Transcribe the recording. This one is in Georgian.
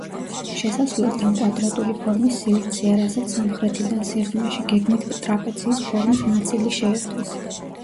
შესასვლელთან კვადრატული ფორმის სივრცეა, რასაც სამხრეთიდან, სიღრმეში, გეგმით ტრაპეციის ფორმის ნაწილი შეერთვის.